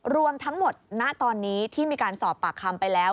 รวมทั้งหมดณตอนนี้ที่มีการสอบปากคำไปแล้ว